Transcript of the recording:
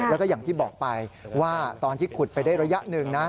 แล้วก็อย่างที่บอกไปว่าตอนที่ขุดไปได้ระยะหนึ่งนะ